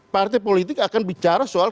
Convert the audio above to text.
partai politik akan bicara soal